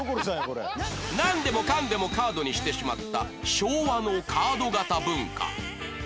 なんでもかんでもカードにしてしまった昭和のカード型文化